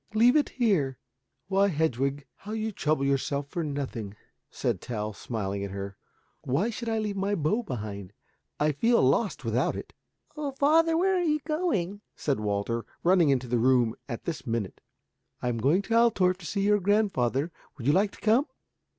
"Leave it here." "Why, Hedwig, how you trouble yourself for nothing," said Tell, smiling at her. "Why should I leave my bow behind? I feel lost without it." "O father, where are you going?" said Walter, running into the room at this minute. "I am going to Altorf to see grandfather. Would you like to come?"